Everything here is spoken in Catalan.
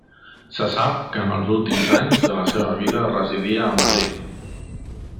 Se sap que en els últims anys de la seva vida residia a Madrid.